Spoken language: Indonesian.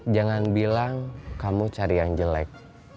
jangan bilang kamu cari yang jelek